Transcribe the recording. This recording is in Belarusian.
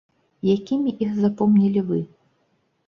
Якімі іх запомнілі вы?